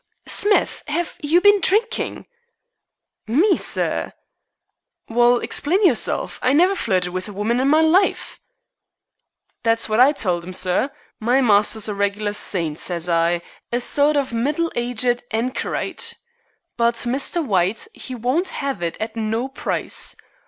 "Smith, have you been drinking?" "Me, sir?" "Well, explain yourself. I never flirted with a woman in my life." "That's what I told 'im, sir. 'My master's a regular saint,' says I, 'a sort of middle aged ankyrite.' But Mr. White 'e wouldn't 'ave it at no price.